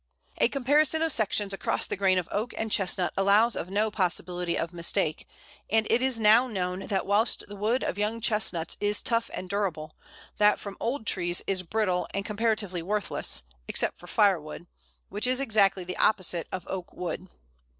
A comparison of sections across the grain of Oak and Chestnut allows of no possibility of mistake, and it is now known that whilst the wood of young Chestnuts is tough and durable, that from old trees is brittle and comparatively worthless, except for firewood, which is exactly the opposite of Oak wood.